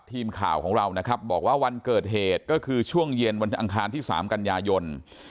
ทีมข่าวของเรานะครับบอกว่าวันเกิดเหตุก็คือช่วงเย็นวันอังคารที่๓กันยายน